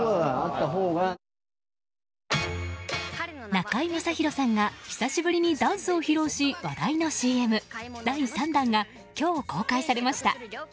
中居正広さんが久しぶりにダンスを披露し話題のＣＭ第３弾が今日公開されました。